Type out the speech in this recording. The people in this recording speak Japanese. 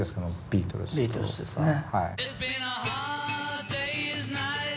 ビートルズですね。